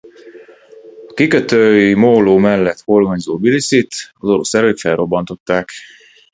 A kikötői móló mellett horgonyzó Tbiliszit az orosz erők a felrobbantották.